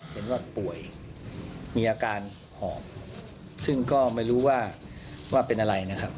เห็นว่าป่วยมีอาการหอบซึ่งก็ไม่รู้ว่าว่าเป็นอะไรนะครับ